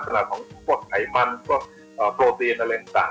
สงสารตัวนั้น